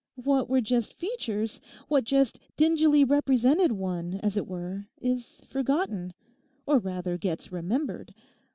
What were just features, what just dingily represented one, as it were, is forgotten, or rather gets remembered.